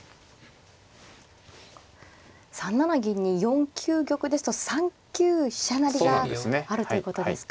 ３七銀に４九玉ですと３九飛車成があるということですか。